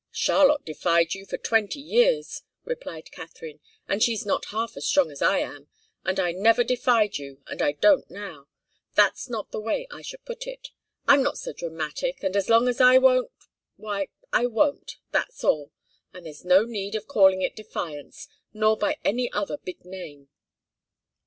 "Charlotte defied you for twenty years," replied Katharine, "and she's not half as strong as I am. And I never defied you, and I don't now. That's not the way I should put it. I'm not so dramatic, and as long as I won't, why, I won't, that's all, and there's no need of calling it defiance, nor by any other big name."